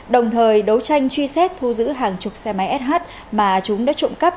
đồng thời đấu tranh truy xét thu giữ hàng chục xe máy sh mà chúng đã trộm cắp